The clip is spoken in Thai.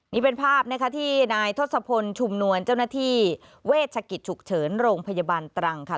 นี่เป็นภาพนะคะที่นายทศพลชุมนวลเจ้าหน้าที่เวชกิจฉุกเฉินโรงพยาบาลตรังค่ะ